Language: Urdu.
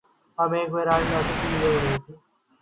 ہم ایک ویران علاقے سے گزر رہے تھے